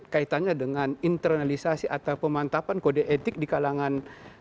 kaitannya dengan internalisasi atau pemantapan kode etik di kalangan